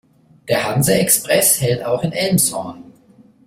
Der Hanse-Express hält auch in Elmshorn.